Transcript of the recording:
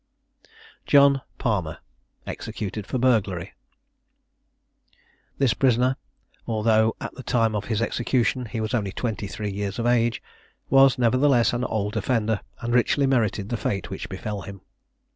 JOHN PALMER. EXECUTED FOR BURGLARY. This prisoner, although at the time of his execution he was only twenty three years of age, was, nevertheless, an old offender, and richly merited the fate which befel him.